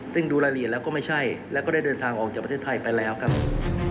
ซึ่งดูรายละเอียดแล้วก็ไม่ใช่แล้วก็ได้เดินทางออกจากประเทศไทยไปแล้วครับ